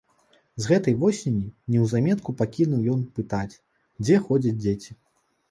З гэтай восені неўзаметку пакінуў ён пытаць, дзе ходзяць дзеці.